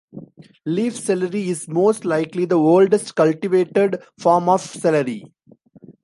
Leaf celery is most likely the oldest cultivated form of celery.